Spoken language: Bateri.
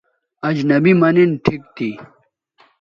اجنبی مہ نِن ٹھیک تھی